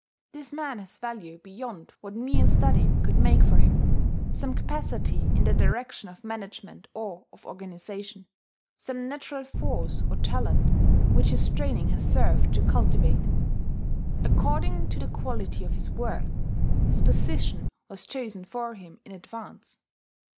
This man has value beyond what mere study could make for him, some capacity in the direction of management or of organization, some natural force or talent which his training has served to cultivate. According to the quality of his worth, his position was chosen for him in advance.